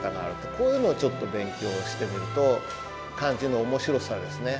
こういうのをちょっと勉強してみると漢字の面白さですね。